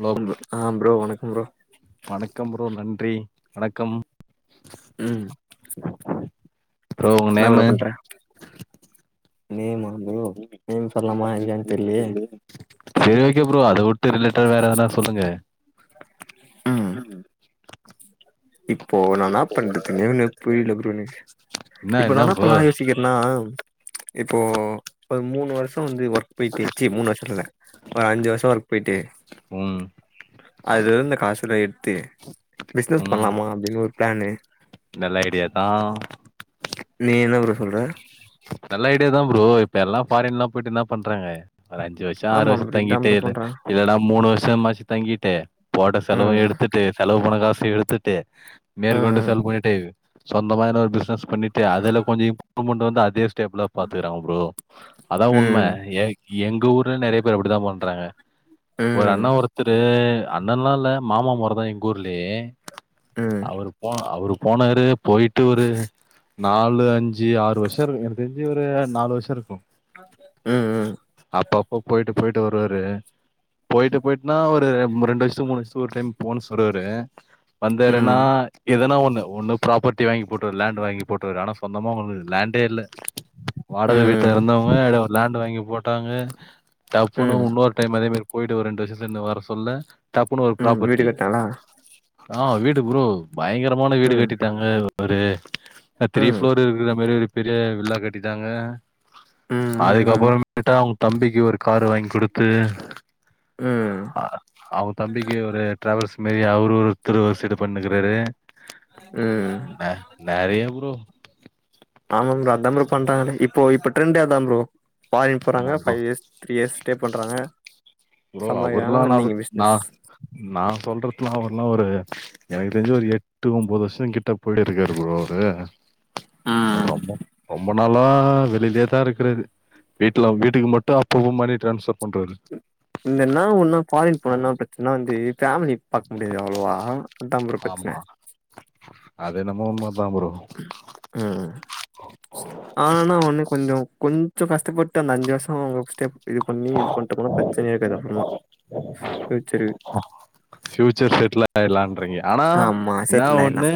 Hello அ‌ bro ஆ bro வணக்கம் ப்ரோ வணக்கம் ப்ரோ நன்றி வணக்கம் ம் ப்ரோ உங்க நேமு நேம்மா ப்ரோ நேம் சொல்லாமா இல்லயானு தெர்லையே [unintelligible] செரி ஓகே ப்ரோ அத விட்டு ரிலேட்டடா வேற எதனா சொல்லுங்க ம் இப்போ நா என்னா பண்றதுனே ஒண்ணுமே புரியல ப்ரோ எனக்கு என்ன இப்ப நா என்ன என்னா ப்ரோ பண்லா யோசிக்கிற நா இப்போ ஒரு மூணு வருஷ வந்து ஒர்க் போயிட்டு சி மூணு வருஷ இல்ல ஒரு அஞ்சு வருஷ ஒர்க் போயிட்டு ம் அதுல இருந்த காசுல்லா எடுத்து பிசினஸ் ம் பண்லாமா அப்டின்னு ஒரு பிளானு நல்ல ஐடியா தா நீ என்ன ப்ரோ சொல்ற நல்ல ஐடியா தா ப்ரோ இப்ப எல்லா பாரின்லா போயிட்டு என்ன பண்றாங்க ஒரு அஞ்சு வருஷ் ஷ ஆறு ஆமா வருஷ ப்ரோ இதா தங்கிட்டு ப்ரோ இல்ல பண்ற இல்லன்னா மூணு வருஷமாச்சு தங்கிட்டு போட்ட செலவு ம் எடுத்துட்டு செலவு போன காசு எடுத்துட்டு மேற்கொண்டு ம் செல் பண்ணிட்டு சொந்தமா எதனா ஒரு பிசினஸ் பண்ணிட்டு அதுல கொஞ்ச இம்ப்ரூவ்மெண்ட வந்து அது டேப்ல பாத்துக்கறாங்க ப்ரோ அதா உண்ம ம் ஏ எங்க ஊர்ல நெறைய பேர் அப்டிதா பண்றாங்க ஒரு ம் அண்ண ஒருத்தரு அண்ணல்லா இல்ல மாமா மொற தா எங்க ஊர்லேயே ம் அவரு போன அவரு போனாரு போயிட்டு ஒரு நாலு அஞ்சு ஆறு வருஷ இருக்கு எனக்கு தெரிஞ்சு ஒரு நாலு வருஷ இருக்கு ம் ம் அப்பப்ப போயிட்டு போயிட்டு வருவாரு போயிட்டு போயிட்டுனா ஒரு ரெண்டு வயசு மூணு வருசத்துக் ஒரு டைம் போன்னு சொல்றாரு வந்தாருன்னா ம் எதனா ஒன்னு ஒன்னு ப்ராப்பர்ட்டி வாங்கி போட்ருவார் லேண்ட் வாங்கி போட்ருவாரு ஆனா சொந்தமா ஒரு லேண்ட் ல வாடகை வீட்ல ம் இருந்தவங்க‌ ஒரு லேண்டு வாங்கி போட்டாங்க டப்புனு ம் உன்னொரு டைம் அதேமாரி போயிட்டு ஒரு ரெண்டு வருஷம் சென்டு வரசொல்ல டப்புனு ஒரு ம் வீடு ப்ராப்பர்ட்டி கட்னாலா ஆ வீடு ப்ரோ பயங்கரமான வீடு ம் கட்டிட்டாங்க ஒரு த்ரீ ஆ ம் ஃப்ளோர் இருக்கிற மாரி ஒரு பெரிய வில்லா கட்டிட்டாங்க ம் ம் ம் அதுக்கப்புறமேட்டா அவுங்க தம்பிக்கு ஒரு காரு வாங்கி குடுத்து ம் ஆ அவுங்க தம்பிக்கு ஒரு டிராவல்ஸ் மாரி அவரு ஒருத்தரு ஒரு சைடு பண்ணக்கிறாரு ம் ந நறைய ப்ரோ ஆமாாம் ப்ரோ அதா ப்ரோ பண்ற நானு இப்போ இப்போ ட்ரெண்டே அதா ப்ரோ ஃபாரின் ஆமா போறாங்க bro five years three years stay பண்றாங்க ப்ரோ சம்பாதிக்கிறாங்க அவர்லா நா வந்தீங்க நா பிசினஸ் நா சொல்றதுலா அவர்லா ஒரு எனக்கு தெரிஞ்சு ஒரு எட்டு ஒன்பது வருஷங்கிட்ட போய்ட்டே இருக்காரு ப்ரோ அவரு அவர் ம் ரொம்ப ரொம்ப நாளா வெளியிலேதா இருக்கிறாரு வீட்ல வீட்டுக்கு மட்டு அப்பப்போ மணி டிரான்ஸ்ஃபர் பண்றாரு இந்தன்னா ஒன்னா ஃபாரின் போனா என்னா பிரச்சனன்னா வந்து ஃபேமிலி பாக்க முடியாது அவ்ளவா ஆமா அது என்னமோ உண்ம தா ப்ரோ அ ஆனா ஒண்ணு கொஞ்சோ கொஞ்சோ கஷ்டப்பட்டு அந்த அஞ்சு வருஷம் இது பண்ணி இது பண்டோம்னா பிரச்சனையே இருக்காது அப்புறமா பியூச்சரு ஃப்யூச்சர் செட்டில் ஆயிடலான்றீங்க ஆனா ஆமா என்ன செட்டில் ஆயிட்லா ஒண்ணு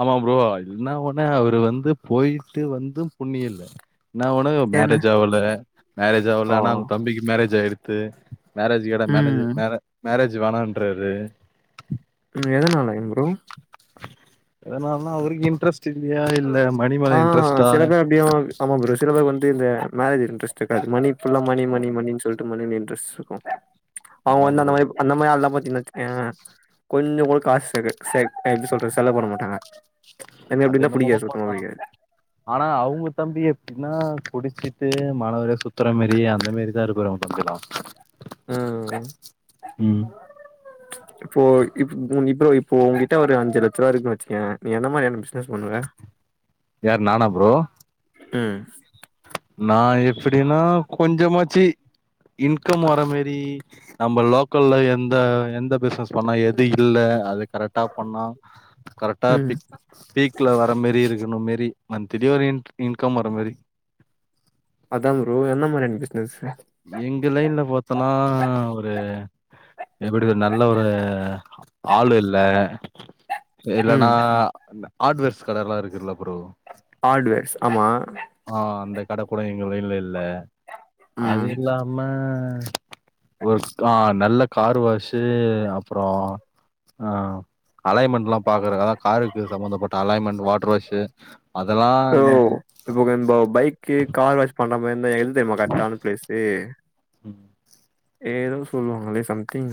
ஆமா ப்ரோ என்ன ஒன்னு அவரு வந்து போயிட்டு வந்து புண்ணியல்ல என்ன ஒண்ணு ஏன்னா மேரேஜ் ஆவல மேரேஜ் ஓ ஆகல ஆனா அவுங்க தம்பிக்கு மேரேஜ் ஆயிருத்து மேரேஜ் கேட்டா மேனேஜ் ம் மே மேரேஜ் வேணான்றாரு ம் எதனாலைங்க ப்ரோ எதனாலன்னா அவருக்கு இன்ட்ரெஸ்ட் இல்லையா இல்ல மணி ஆ மேல இன்ட்ரெஸ்டா அப்படியே ஆமா ப்ரோ சில பேர் வந்து இந்த மேரேஜ் இன்ட்ரெஸ்ட் இருக்காது மணி ஃபுல்லா மணி மணி மணின் சொல்லிட்டு மணில இன்ட்ரெஸ்ட் இருக்கும் அவுங்க அதா வந்து அந்த ப்ரோ மாரி அந்த மாரி ஆள்லாம் பாத்தீங்கன் வச்சுக்கோய கொஞ்சம் கூட காசு சே சேக்க எப்படி சொல்றது செலவு பண்ண மாட்டாங்க என்ன எப்படின்னா நம்ம கூட புடிக்காது சுத்தமா பாப்பாங்களா புடிக்காது ஆனா அவுங்க தம்பி எப்டின்னா குடிச்சிட்டு மாணவரி சுத்துற மாரி அந்த மாரி இப்டி தா இருப்பாரு உன் ஃப்ரெண்ட்ஸ் எலாம் ம் உம் இப்போ இப் இப்போ இப்போ உங்கிட்ட ஒரு அஞ்சு லட்ச ரூபா இருக்குனு வச்சுக்கோய நீ என்ன மாதிரியான பிஸ்னஸ் னஸ் பண்ணுவ யார் நானா உம் நான் எப்டின்னா கொஞ்சமாச்சி இன்கம் வர மாரி நம்ம லோக்கல்ல எந்த எந்த பிசினஸ் பண்ணா எது இல்ல அது கரெக்டா பண்ணா கரெக்டா ம் பிக் பீக்ல வர மாரி இருக்கணும் மாரி மந்த்லி ஒரு இன் இன்கம் வர மாரி அதான் ப்ரோ என்ன மாதிரியான பிசினஸ் எங்க லைன்ல பாத்தனா ஒரு எப்படி ஒரு நல்ல ஒரு ஆளு இல்ல இல்லன்னா ம் ஹார்ட்வேர்ஸ் கட எல்லாம் இருக்குல்ல ப்ரோ ஹார்ட்வேர்ஸ் ஆமா ஆ அந்த கடை கூட எங்க லைன்ல இல்ல அது ம் இல்லாம ஒரு [unintelligible] நல்ல கார் வாசு அப்புறம் ஆ அலைன்மெண்ட்ல்லாம் பாக்குறதுக்காக காருக்கு சம்பந்தப்பட்ட அலைன்மெண்டஸ் வாட்டர் வாஷு அதெல்லாம் ஓ இப்போ நண்பா பைக்கு கார் வாஷ் பண்ற மாரி இருந்தா எது தெரியுமா கரெக்டான பிளேஸு ம். ஏதும் சொல்வாங்களே சம்திங்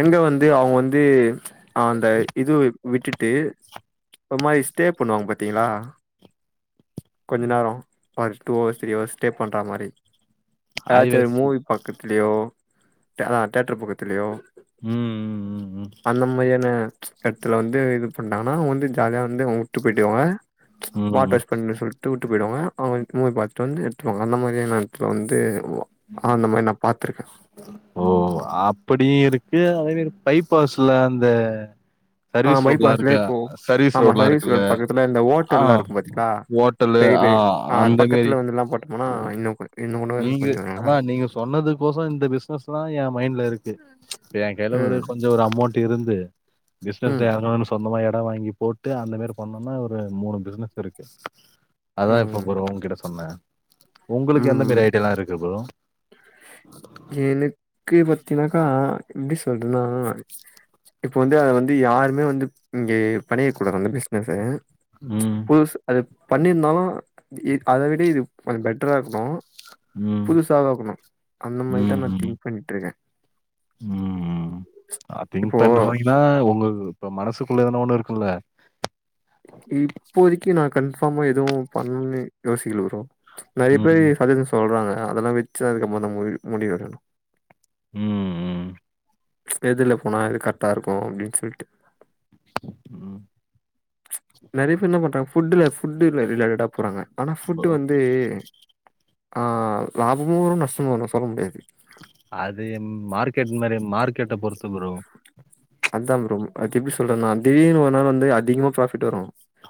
எங்க வந்து அவுங் வந்து அ அந்த இது விட் விட்டுட்டு ஒரு மாரி ஸ்டே பண்ணுவாங்க பாத்தீங்களா கொஞ்ச நேரம் ஒரு two hours three hours stay பண்ற மாரி ஏதாச்சி ஹைவேஸ் மூவி பக்கத்துலயோ அதா தியேட்டர் பக்கத்துலயோ ம் ம் ம் அந்த மாரியான எடத்துல வந்து இது பண்ணாங்கன்னா அவுங்க வந்து ஜாலியா வந்து அவுங் வுட்டு போய்டுவ ம் ம் வாட்டர் வாஷ் பண்ண சொல் ட்டு வுட்டு போய்டுவ அவுங்க மூவி பாத்துட்டு வந்து எடுத்துவாங்க அந்த மாரியான எடத்துல வந்து அந்த மாரி நா பாத்திருக்கேன் ஓ அப்படி இருக்கு அதே மாரி பைப்பாஸ்ல அந்த ஆ சர்வீஸ் ரோட்லா பைபாஸ்லயே இருக்கா இப்போ சர்வீஸ் ஆமா ரோட்லா சர்வீஸ் இருக்குல்ல ரோட் பக்கத்துல இந்த ஆ ஓட்டல்லா இருக்கு பாத்தீங்களா ஓட் ஓட்டலு ஆ அந்த மாரி ஆனா இன்னு கொ இன்னு கூட இங்கு கொஞ்சோ அதா நல்லாருக்கு நீங்க சொன்னதுக்கொச இந்த பிஸ்னஸ்ல்லா என் மைண்ட்ல இருக்கு ஏ கைல ஒரு ம் கொஞ்சோ ஒரு அமௌண்ட் இருந்து ம் பிஸ்னஸ்ல எறங்குனோன் வெச் சொந்தமா எடொ வாங்கி போட்டு அந்த மாரி பண்ணோன்னா ஒரு மூணு பிஸ்னஸ் இருக்கு அதா இப்பொ ம் புரோ உங்ககிட்ட சொன்ன உங்குளுக்கு எந்த ம் மாரி ஐடியால்லா இருக்கு ப்ரோ எனுக்கு பத்தினாக்கா எப்டி சொல்றதுனா இப்பொ வந்து அத வந்து யாருமே வந்து இங்கே பணீருக்கூடாது அந்த பிஸ்னஸ்ஸ ம் புதுசு அது பண்ணிர்ந்தாலு இ அத விட இது கொஞ்சொ பெட்டரா இருக்குனு ம் புதுசாவு க்கனு அந்த மாரிதா ம் நா ம் ம் திங்க் பண்ணிட்டுருக்கே ம் அ திங்க் பண்ணுறாங்கிளா உங்க இப்ப மனசுக்குள்ள எதனா ஒன்னு இருக்குல்ல இப்போதிக்கு நா கன்ஃபார்மா எதுவு பண்ணன் யோசிக்கல ப்ரோ நெறய பேரு ம் சஜ்ஜஷன் சொல்றாங்க அதெல்லா வெச்சு அதுக்கம்மதா முடிவி முடிவெடுக்னு ம் ம் எதுல போனா இது கர்ட்டா இருக்கு அப்டின் சொல்ட்டு ம் நெறைய பேர் என்ன பண்றாங்க ஃபுட்டுல ஃபுட்டு ரி ரிலேட்டடா போறாங்க ஆனா ஃபுட்டு ப்ரோ வந்து அ லாபமு வரு நஷ்டமு வரு சொல்ல முடியாது அது என் மார்க்கெட் மாரி மார்க்கெட்ட பொறுத்து புரோ அதாம் ப்ரொ அத் எப்டி சொல்றத்ன்னா திடீர்னு ஒரு நாள் வந்து அதிகமா ப்ராஃபிட் வரு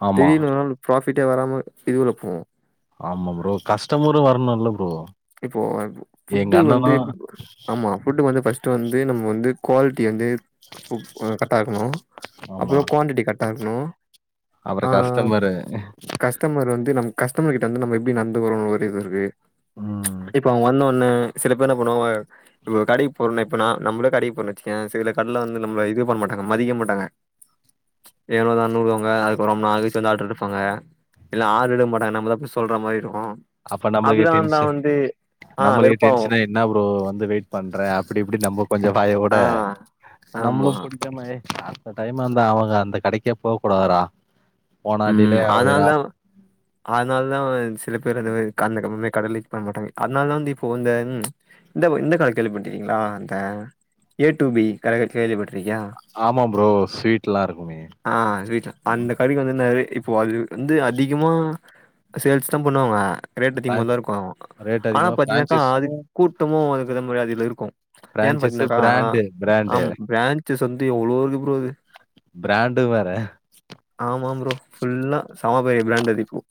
ஆமா, திடீர்னு ஒரு நாள் ப்ராஃபிட்டே வராம இழிவுல போவு ஆமா ப்ரோ கஷ்டமரு வர்ணுல்ல ப்ரோ இப்போ எங்க ஃபுட்டு வந்து அண்ணனும் எப்டி போட்றது ஆமா ஃபுட்டு வந்து ஃபஸ்ட்டு வந்து நம்ம வந்து குவால்ட்டி வந்து ஃபு அ கர்ட்டா இர்க்கனு அப்பறோ குவான்டிட்டி கர்ட்டா இருக்குனு அப்பற கஸ்டமரு கஸ்டமர் வந்து நம கஸ்டமர் கிட்ட வந்து நம்ம எப்டி நட்ந்துகுறோ ஒரு இது இருக்கு ம் இப்ப அவ்ங்க வந்தோனே சில பேர் என்ன பண்ணுவாங்க நம ஒரு கடைக் போறோனா இப்ப நா நம்மளே கடைக் போறன் வச்சிக்கயே சில கட்ல வந்து நம்ம இது பண் மாட்டாங்க மதிக்க மாட்டாங்க ஏனோதான் வுடுவாங்க அதுப்பெறோ ரொம் நேரோ கழ்ச்சு வந்து ஆட்ரு எடுப்பாங்க இல்னா ஆட்ரு எடுக் மாட்டாங்க நம்ம தா போய் சொல்ற மாரி இருக்கு அப்ப நம்மளுக்கே டென்ஷன் ஆ நம்மளுக்கே வெறுப்பாவும் டென்ஷனாய் என்னா ப்ரோ வந்து வெயிட் பண்றே அப்டி இப்டி நம்பொ கொஞ்ச வாயவுட ஆ நம்முளு ஆமா ப்டி அதே மாய் அத்த டைம் வந்தா அவங்க அந்த கடைக்கே போக கூடாதுடா போனா டிலே ஆவுதுடா அத்னாலதா வந் சில பேர் அந்தமா கன எப்பமே கட லைக் பண் மாட்டாங்க அத்னாலதா வந்து இப்போ இந்த இந் இந்த ப கட கேள்விப்பட்ருக்கீங்ளா அந்த ஏ டூ பி கடையெ கேள்வி பட் டுருக்யா ஆமா ப்ரோ ஸ்வீட்லாம் இருக்குமே. ஆ ரைட்ரா அந்த கடிக்கு வந்திந்தாவே இப்போ அது வந்து அதிகமா சேல்ஸ்தா பண்ணுவாங்க ரேட் பிரான் அதிகமதா இருக்கு ரேட் ஆனா அதிகமா பாத்தீங்னாக்கா அது பிரான்சைஸும் கூட்டமு அதுக்கேத மாரி அதில இருக்கு ஏன் பிரான்சைஸு பாத்தீனாக்கா பிராண்டு பிராண்டு. ஆம் பிராண் ட்சஸ் வந்து எவ்ளோ இருக்கு ப்ரோ இது பிராண்டு வேற. ஆமாம் ப்ரோ ஃபுல்லா செம பெரிய பிராண்ட் அது இப்போ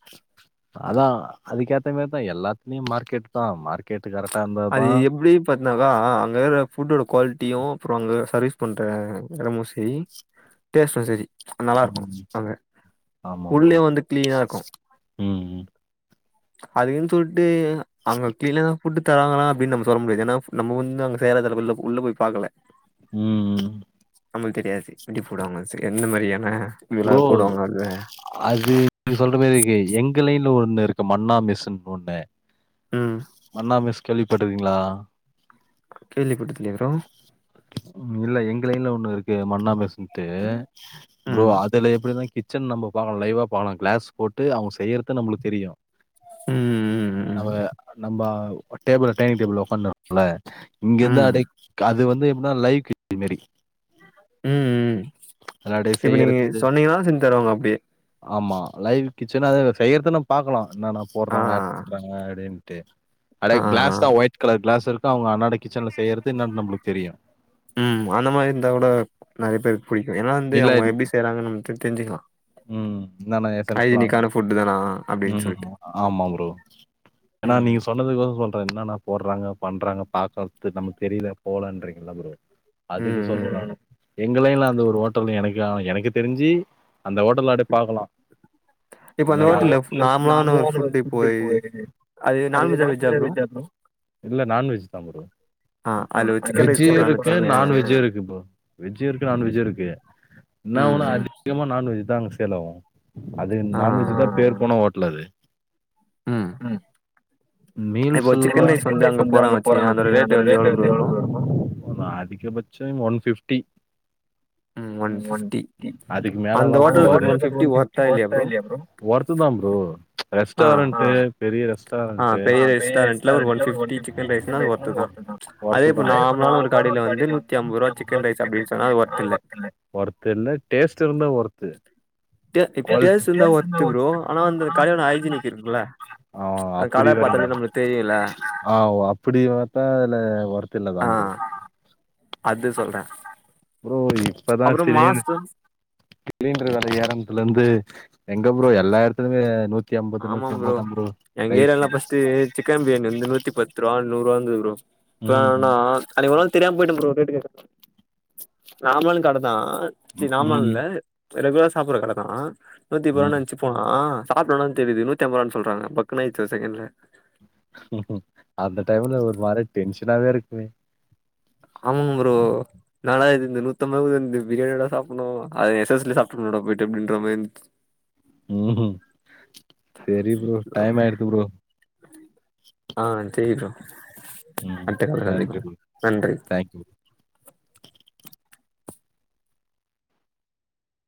அதா அதுக்கேத்த மாரிதா எல்லாத்துலேயு மார்க்கெட்தா மார்க் கேட்டு கரக்ட்டா இருந்தா அது எப்டி பாத்துனாக்கா அங்கே ஃபுட்டோட குவாலிட்டியு அப்றம் அங்கே சர்வீஸ் பண்ற எடமோ ச ரி டேஸ்ட்டு சேரி நல்லாருக்கு ம் அங்க ஆமா ப்ரோ உள்ளயு வந்து க்ளீனாருக்கு ம் அதுக்குன் சொல்ட்டு அவுங்க கீழதா ஃபுட்டு தராங்களா அப்டின் நம்ம சொல்ல முடியாது ஏன்னா நம்ம வந்து அங்க சேர தரகுள்ள உள்ள போய் பாக்கல ம் ம் நம்மளுக் தெரியாது எப்டி போடுவாங்க சரி எந்த மாரியானா ப்ரோ அது நீ சொல்ற மாரி இருக்கு எங்க லைன்ல ஒன்னு இருக்கு மன்னா மெஸ்சுன் ஒன்னு ம் மன்னா மெஸ் கேள்விப்பட்டுருக்கீங்ளா கேள்விப்பட்டதில்லையே ப்ரோ இல்ல எங்க லைன்ல ஒண்ணு இருக்கு மன்னா மெஸ்சுன்ட்டு ப்ரோ ம் அதுல எப்டினா கிச் சன் நம்ம பாக்கலா லைவ்வா பாக்கலா கிளாஸ் போட்டு அவுங்க செய்றது நம்மளுக் தெரியு ம் ம் நம்ம நம்ப டேபிள் டைனிங் டேபிள் ஒக்காந்து ல இங்கேந்து ம் அப்டே அது வந்து எப்டினா லை க்கு மாரி ம் ம் அதல அப்டியே இப்ப நீங்க செய்யறது சொன்னீங்கன்னா செஞ் தருவாங்க அப்டியே ஆமா லைவ் கிச்சனாவே அது செய்றதுன்னு பாக்கலா என்னன்னா ஆ போடுறாங்க ஆட் பண்றாங்க அப்டின் ட்டு அடே ஆ ஆ ஆ. கிளாஸ் தா ஒயிட் கலர் கிளாஸ் இருக்கு அவுங்க அன்னாட கிச்சன்ல செய்றது இன்னான் நம்ளுக்கு தெரியு ம் அந்த மாரி இருந்தா கூட நெறைய பேருக்கு புடிக்கு ஏன்னா வந்து இல்ல அவுங்க எப்டி செய்றாங்கன்னு நம்ம தெரிஞ்சுக்லா ம் என்னானா எசன்ஸ்லா தானா அப்டின்னு ம் சொல்லிட்டு ஆமா ப்ரோ ஏனா ம் நீங்க சொல் இன்னதுயூஸ் பண்றே என்னன்னா போடுறாங்க பண்றாங்க பாக்க நமக்கு தெரியல போலன்றீங்ல்லா ப்ரோ அதுக்கு ம் சொல்றே ம் நானு எங்க லைன்ல அந்த ஒரு ஓட் டல் எனக்கு அ எனக்கு தெரிஞ்சு அந்த ஹோட்டல்ல அப்டியே பாக்கலா இப்ப அந்த ஹோட்டல்ல ஃபு நார்மலான நான்தா ஒரு அவன ஃபுட் இப்போ கூட்டி போயு அது நான்வெஜ்ஜா வெஜ்ஜா ப்ரோ இல்ல நான்வெஜ் தா ப்ரோ அதுல ஒரு ஆ சிக்கன் ரைஸ் வெஜ்ஜு போடுறான்னு இருக்கு வச்சுக்கயே நான்வெஜ்ஜு இருக்கு ப்ரோ வெஜ்ஜு இருக்கு நான்வெஜ்ஜு இருக்கு என்னா ஒன்னு ம் அதிகமா நான்வெஜ் தா அங்க சேல்ஆவு அது ஆ நான்வெஜ்க்கு ஆ தா பேர்போன ஓட்ல் அது ம் மீல்ஸ் எல்லா சிக்கன் ரைஸ் வந்து அங்க போறாங்கன் வச்சுக்கயே அதோட ரேட்டு வந்து எவ்ளோக்குள்ள இருக்கு அதிகபட்சோ ஒன் ஃபிஃப்டி ம் ஒன் அந்த ஃபிஃப்டி அந்த ஹோட்டலுக்கு அது ஓட்லுக்கு அந்த ஃபிஃப்டி ஒன் ஃபிஃப்ட்டி ஒர்த்தா இல்லையா வொர்த்தா இல்லயா ப்ரோ வொர்த்துதா ப்ரோ ஆ ரெஸ்டாரண்ட்டு பெரிய ரெஸ் ஆ பெரிய ரெஸ்டாரண்ட்ல ஒரு ஒன் ஃபிஃப்ட்டி சிக்கன் ரைஸ்னாலு அது வொர்த்துதா அதே இப்ப நா நார்மலான போன கடையில ஒரு கடைல நூத்தி வந்து ஐம்பது ரூவா நூத்திஅம்புருவா ரைஸ் சிக்கன் அப்டின்னு ரைஸ்னாலு சொன்னா சமேச்சாலு ஒர்த் அது வொர்த் இல்ல வொர்த் இல்ல டேஸ்ட் இருந்த வொர்த்து டே இப்ப டேஸ்ட் இருந்தா ஒர்த்து வொர்த்து ப்ரோ ஆனா அந்த கடையோட கட ஹைஜீனிக் லாய்க்கில்ல இருக்குல்ல ஆ அந்த கட அப்புடி வரீங்க பாத்தாலே நம்மளுக்கு தெரியுல்ல ஆவ் அப்டி பாத்தா அதுல வொர்த் இல்லதா ஆ ப்ரோ அது சொல்றே இப்பதா அப்புறோ சிலிண் மாஸ்டர் சிலிண்டர் வெல ஏரன்த்லருந்து எங்க ப்ரோ எல்லா எடத்துலமே நூத் தி அம்பது நூத்தி அம்பதுதா ப்ரோ எங்க ரைஸ் ஏரியாலா ஃபர்ஸ்ட்டு சிக்கன் பிரியாணி வந்து நூத்தி பத்து ரூவா நூறுரூவா இருந்தது ப்ரோ இப்ப என்னானா ம் அன்னைக்கு ஒரு நாள் தெரியாம போயிட்டே ப்ரோ ரேட்டு கேக்கா நார்மல் கட தா சி நார்மல் ம் இல்ல ரெகுலரா சாப்புற கட தா ம் நூத்திபதினஞ்சு போனா சாப்டோன தெரிது நூத்திஅம்ப ரூவான்னு சொல்றாங்க பக்குன் ஆயிருச்சு ஒரு செகேண்ட்ல அந்த டைம்ல ஒரு மா ரி டென்ஷ்னாவே இருக்குமே ஆமா ப்ரோ நா லா இது இந்த நூத்தம்பது ரூவா குடுத்து இந்த பிரியாணியாடா சாப்புனு அது எஸ் எஸ் ல சாப்ட்ருப்பனேடா போயிட்டு அப்டின்ற மாதிரி இருந்ச்சி ம் ம் செரி ப்ரோ டைம் ஆயிர்து ப்ரோ ஆ சேரி ப்ரோ ம் அடுத்த தடவ நன்றி சந்திக்கலா ப்ரோ நன்றி தேங்க்யூ